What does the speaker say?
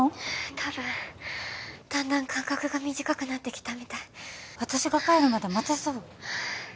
☎たぶんだんだん間隔が短くなってきたみたい私が帰るまで待てそう？